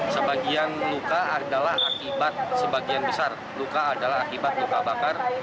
sebagian luka adalah akibat sebagian besar luka adalah akibat luka bakar